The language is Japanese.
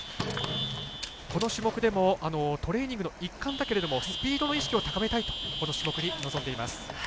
この種目でもトレーニングの一環だけれどもスピードの意識を高めたいとこの種目に臨んでいます。